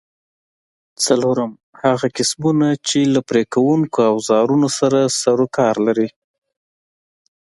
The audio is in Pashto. څلورم: هغه کسبونه چې له پرې کوونکو اوزارونو سره سرو کار لري؟